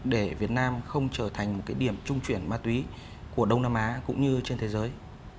để việt nam không trở thành một cái điểm trung chuyển ma túy của đông nam á cũng như trên thế giới